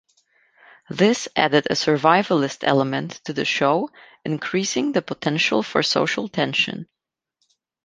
This added a survivalist element to the show, increasing the potential for social tension.